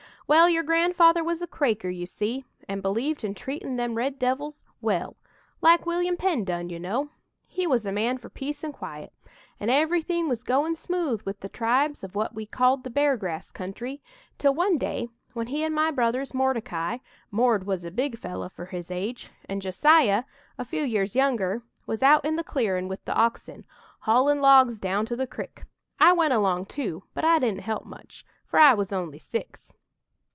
"Well, your grandfather was a Quaker, you see, and believed in treatin' them red devils well like William Penn done, you know. He was a man for peace and quiet, and everything was goin' smooth with the tribes of what we called the Beargrass Country, till one day, when he and my brothers, Mordecai 'Mord' was a big fellow for his age and Josiah, a few years younger was out in the clearin' with the oxen, haulin' logs down to the crick. I went along too, but I didn't help much for I was only six.